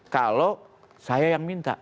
kalau saya yang minta